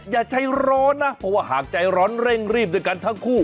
อย่าใจร้อนนะเพราะว่าหากใจร้อนเร่งรีบด้วยกันทั้งคู่